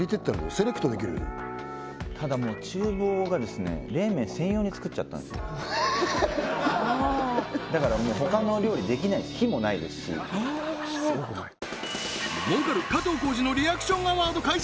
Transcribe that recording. セレクトできるようただもう厨房がですね冷麺専用に作っちゃったんですよだからもう他の料理できないです火もないですし儲かる加藤浩次のリアクションアワード開催！